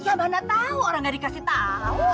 ya mana tahu orang gak dikasih tahu